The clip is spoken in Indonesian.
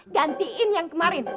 gantiin yang kemarin